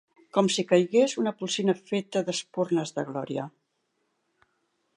Com si caigués una polsina feta d'espurnes de gloria.